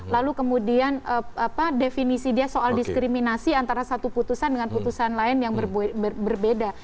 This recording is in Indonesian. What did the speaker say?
lalu kemudian definisi dia soal diskriminasi antara satu putusan dengan putusan lain yang berbeda